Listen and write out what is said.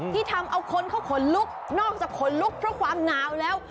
ที่ทำเอาคนเขาขนลุกนอกจากขนลุกเพราะความหนาวแล้ว